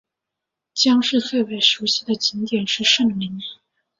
姜市最为人熟悉的景点是圣陵。